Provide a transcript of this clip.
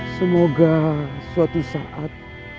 semoga suatu saat